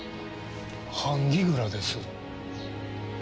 版木蔵です。